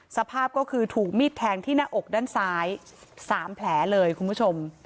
สภาพก็คือถูกมีดแทงที่หน้าอกด้านซ้าย๓แผลเลยคุณผู้ชม